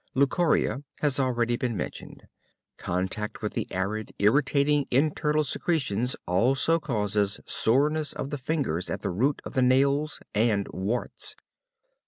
Leucorrhea has already been mentioned. Contact with the acrid, irritating internal secretions also causes soreness of the fingers at the root of the nails, and warts.